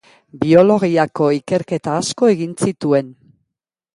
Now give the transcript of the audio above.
Biologiako ikerketa asko egin zituen.